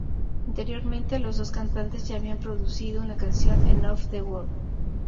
Anteriormente, los dos cantantes ya habían producido una canción en "Off the Wall".